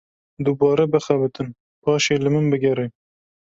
Dubare bixebitin paşê li min bigere.